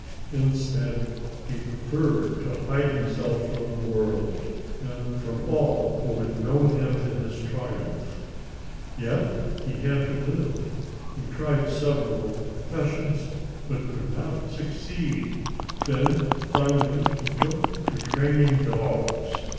Instead he preferred to hide himself from the world and from all who had known him in his triumph. Yet he had to live. He tried several professions, but could not succeed, then finally he took to training dogs.